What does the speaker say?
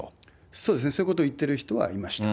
そうですね、そういうことを言ってる人はいました。